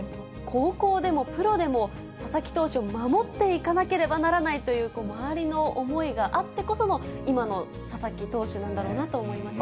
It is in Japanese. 高校でも、プロでも、佐々木投手を守っていかなければならないという、周りの思いがあってこその今の佐々木投手なんだろうなと思います